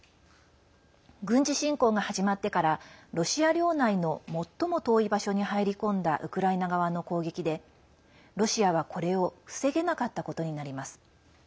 軍事侵攻が始まってからロシア領内の最も遠い場所に入り込んだウクライナ側の攻撃でロシアは、これを防げなかったことになります。